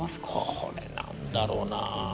これなんだろうな？